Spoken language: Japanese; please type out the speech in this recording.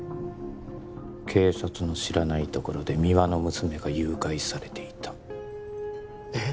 警察の知らないところで三輪の娘が誘拐されていたえっ？